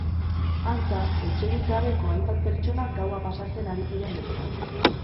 Antza, etxerik gabeko hainbat pertsona gaua pasatzen ari ziren bertan.